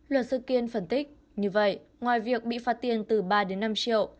luật sư kiên phân tích như vậy ngoài việc bị phạt tiền từ ba đến năm triệu